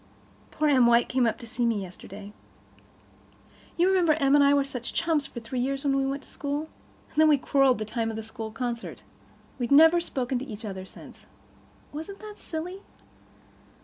Poor Em White was up to see me yesterday. You remember Em and I were such chums for three years when we went to school? And then we quarrelled the time of the school concert. We've never spoken to each other since. Wasn't it silly?